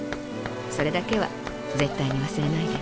それだけは絶対に忘れないで」。